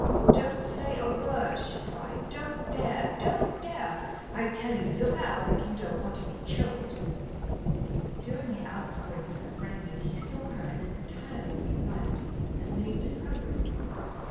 "Don't say a word!" she cried. "Don't dare don't dare. I tell you look out, if you don't want to be killed." During the outpouring of her frenzy he saw her in an entirely new light and made discoveries.